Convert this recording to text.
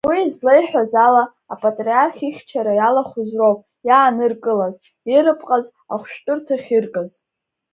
Уи излеиҳәаз ала, апатриарх ихьчара иалахәыз роуп иааныркылаз, ирыпҟаз, ахәшәтәырҭахь иргаз.